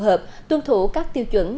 phù hợp tuân thủ các tiêu chuẩn